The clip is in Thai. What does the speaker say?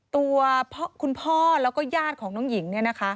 ตัวคุณพ่อแล้วก็ญาติของน้องหญิง